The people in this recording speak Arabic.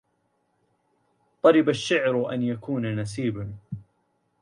طرب الشعر أن يكون نسيبا